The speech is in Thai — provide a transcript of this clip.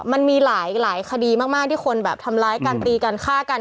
มันมีหลายคดีมากที่คนแบบทำร้ายการตีกันฆ่ากัน